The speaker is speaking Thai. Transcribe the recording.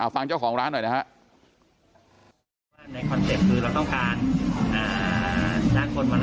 ฟังเจ้าของร้านหน่อยนะครับ